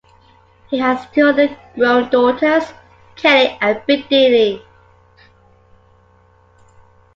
He has two other grown daughters, Kelly and Brittany.